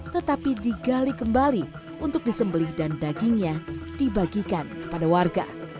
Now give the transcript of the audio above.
tetapi digali kembali untuk disembelih dan dagingnya dibagikan kepada warga